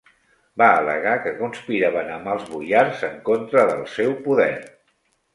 Va al·legar que conspiraven amb els boiars en contra del seu poder.